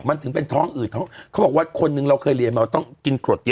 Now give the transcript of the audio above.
มันถึงเป็นท้องอืดท้องเขาบอกว่าคนนึงเราเคยเรียนมาต้องกินกรดเยอะ